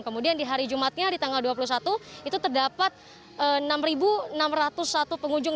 kemudian di hari jumatnya di tanggal dua puluh satu itu terdapat enam enam ratus satu pengunjung